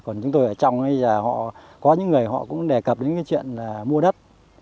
còn chúng tôi ở trong bây giờ có những người họ cũng đề cập đến cái chuyện mua đất